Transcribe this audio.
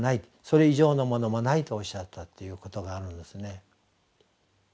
それ以上のものもないとおっしゃったっていうことがあるんですね。